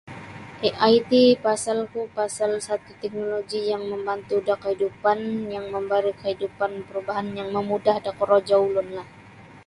AI ti pasal kuo pasal satu teknoloji yang mambantu da kaidupan yang mambari keidupan parubahan yang mamudah da korojo ulunlah.